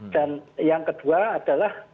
dan yang kedua adalah